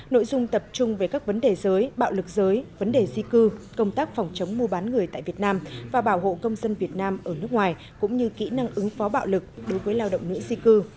nội dung tập trung về các vấn đề giới bạo lực giới vấn đề di cư công tác phòng chống mua bán người tại việt nam và bảo hộ công dân việt nam ở nước ngoài cũng như kỹ năng ứng phó bạo lực đối với lao động nữ di cư